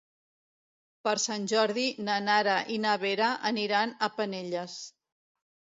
Per Sant Jordi na Nara i na Vera aniran a Penelles.